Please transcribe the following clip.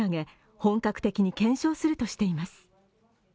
本格的に検証するとしています。